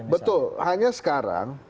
betul hanya sekarang